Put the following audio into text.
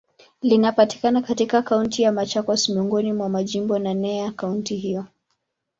Linapatikana katika Kaunti ya Machakos, miongoni mwa majimbo naneya kaunti hiyo.